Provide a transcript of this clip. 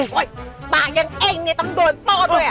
อุ๊ยปากยังเอ็งต้องโดนปอดเว้ย